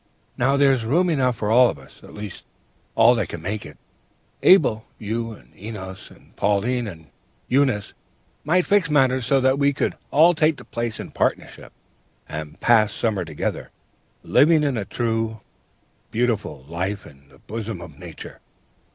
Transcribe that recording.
Now there's room enough for all of us, at least, all that can make it suit to go. Abel, you and Enos, and Pauline and Eunice might fix matters so that we could all take the place in partnership, and pass the summer together, living a true and beautiful life in the bosom of Nature.